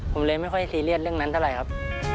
ผมเลยไม่ค่อยซีเรียสเรื่องนั้นเท่าไหร่ครับ